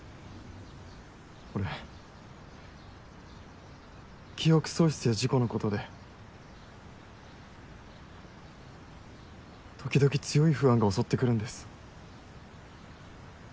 俺記憶喪失や事故のことで時々強い不安が襲ってくるんです。